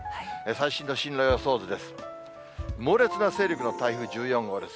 最新の進路予想図です。